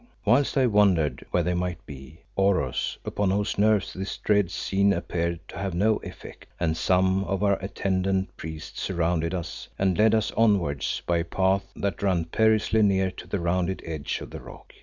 Whilst I wondered where they might be, Oros, upon whose nerves this dread scene appeared to have no effect, and some of our attendant priests surrounded us and led us onwards by a path that ran perilously near to the rounded edge of the rock.